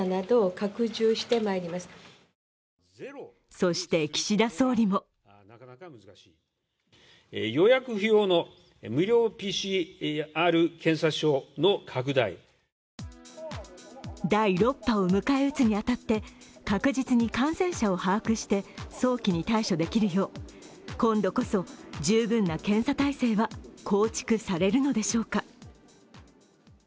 そして岸田総理も第６波を迎え撃つに当たって確実に感染者を把握して早期に対処できるよう、今度こそ十分な検査体制は構築されるのでしょうか。